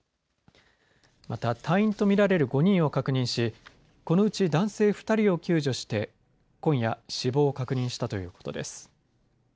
また隊員と見られる５人を確認しこのうち男性２人を救助して今夜死亡を確認したということです。